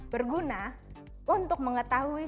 berguna untuk mengetahui